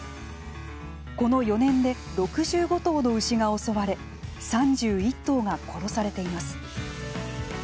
この４年で６５頭の牛が襲われ３１頭が殺されています。